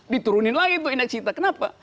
diturunin lagi itu indeks kita kenapa